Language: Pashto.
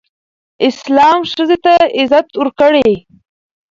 اسلام ښځې ته عزت ورکړی